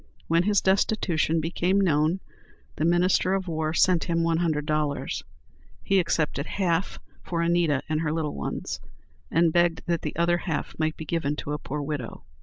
When his destitution became known, the minister of war sent him one hundred dollars. He accepted half for Anita and her little ones, and begged that the other half might be given to a poor widow.